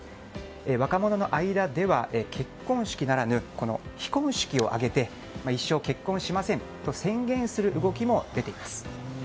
若者の間では結婚式ならぬ非婚式を挙げて一生結婚しませんと宣言する動きも出ています。